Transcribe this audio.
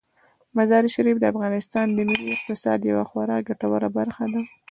مزارشریف د افغانستان د ملي اقتصاد یوه خورا ګټوره برخه ده.